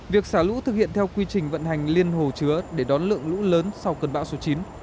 việc xả lũ thực hiện theo quy trình vận hành liên hồ chứa để đón lượng lũ lớn sau cơn bão số chín